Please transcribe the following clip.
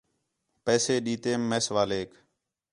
پیسے ݙین٘دیم میس والیک